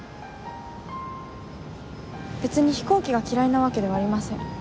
別に飛行機が嫌いなわけではありません。